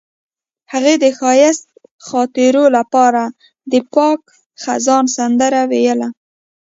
هغې د ښایسته خاطرو لپاره د پاک خزان سندره ویله.